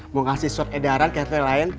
mau kasih suat edaran ke pertek lain